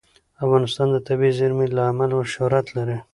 افغانستان د طبیعي زیرمې له امله شهرت لري.